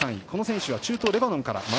この選手は中東レバノンから。